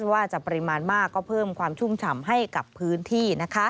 ว่าจะปริมาณมากก็เพิ่มความชุ่มฉ่ำให้กับพื้นที่